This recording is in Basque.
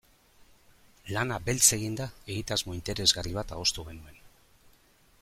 Lana beltz eginda, egitasmo interesgarri bat adostu genuen.